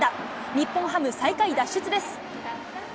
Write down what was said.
日本ハム最下位脱出です。